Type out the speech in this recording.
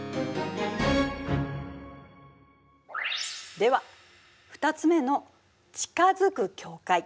では２つ目の「近づく境界」。